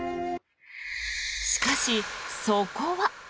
しかし、そこは。